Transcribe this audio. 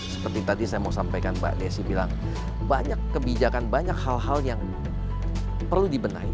seperti tadi saya mau sampaikan mbak desi bilang banyak kebijakan banyak hal hal yang perlu dibenahi